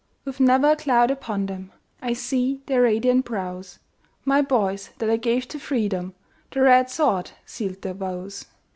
With never a cloud upon them, I see their radiant brows; My boys that I gave to freedom, The red sword sealed their vows!